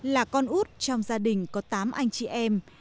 là con út trong gia đình có tám anh chị em